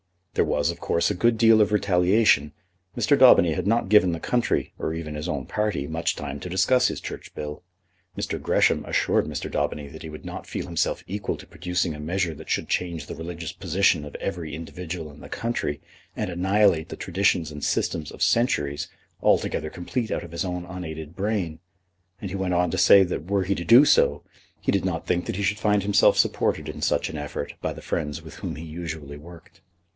There was, of course, a good deal of retaliation. Mr. Daubeny had not given the country, or even his own party, much time to discuss his Church Bill. Mr. Gresham assured Mr. Daubeny that he would not feel himself equal to producing a measure that should change the religious position of every individual in the country, and annihilate the traditions and systems of centuries, altogether complete out of his own unaided brain; and he went on to say that were he to do so, he did not think that he should find himself supported in such an effort by the friends with whom he usually worked.